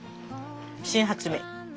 新発明。